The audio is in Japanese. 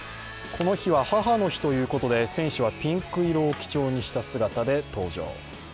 この日は母の日ということで選手はピンク色を基調にした姿で登場。